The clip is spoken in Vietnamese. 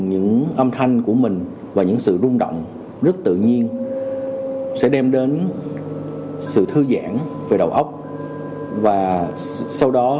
những âm thanh của mình và những sự rung động rất tự nhiên sẽ đem đến sự thư giãn về đầu óc và sau đó